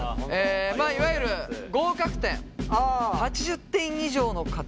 いわゆる合格点８０点以上の方。